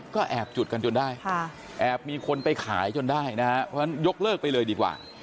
ก็แอบจุดกันจนได้แอบมีคนไปขายจนได้ยกเลิกไปเลยดีกว่า